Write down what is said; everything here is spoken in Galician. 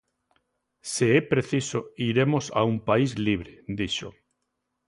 "Se é preciso, iremos a un país libre", dixo.